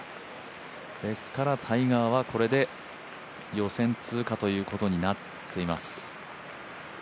ですからタイガーはこれで予選通過ということになっています。